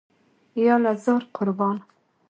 یاله زار، قربان.